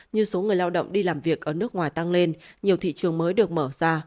như số người lao động đi làm việc ở nước ngoài tăng lên nhiều thị trường mới được mở ra